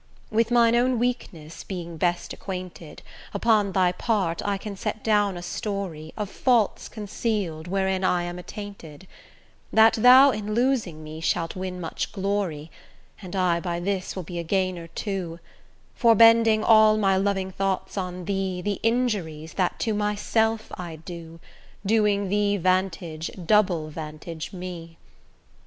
With mine own weakness, being best acquainted, Upon thy part I can set down a story Of faults conceal'd, wherein I am attainted; That thou in losing me shalt win much glory: And I by this will be a gainer too; For bending all my loving thoughts on thee, The injuries that to myself I do, Doing thee vantage, double vantage me.